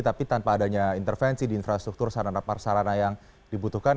tapi tanpa adanya intervensi di infrastruktur sarana persarana yang dibutuhkan